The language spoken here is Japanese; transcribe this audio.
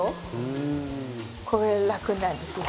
これが楽なんですよ。